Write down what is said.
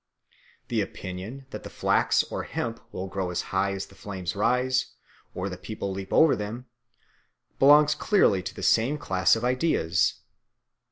The opinion that the flax or hemp will grow as high as the flames rise or the people leap over them belongs clearly to the same class of ideas.